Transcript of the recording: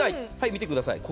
見てください。